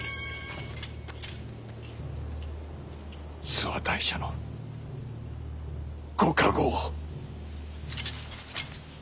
諏訪大社のご加護を。